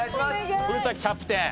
古田キャプテン